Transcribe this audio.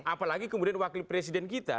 apalagi kemudian wakil presiden kita